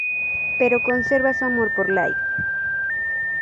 Pero conserva su amor por Light.